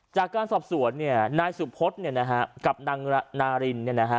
จากการสอบสวนเนี่ยนายสุพธกับนางนารินเนี่ยนะฮะ